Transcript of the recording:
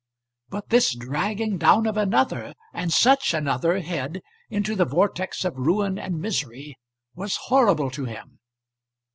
But this dragging down of another and such another head into the vortex of ruin and misery was horrible to him.